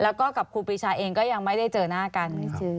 แล้วก็กับครูปีชาเองก็ยังไม่ได้เจอหน้ากัน